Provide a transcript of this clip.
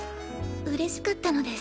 嬉しかったのです。